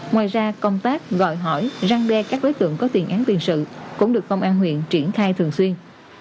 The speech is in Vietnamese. ngoài ra công tác gọi hỏi răng đe các đối tượng có tiền án tiền sự cũng được công an huyện triển khai thường xuyên